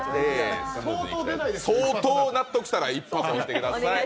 相当納得したら一発押してください。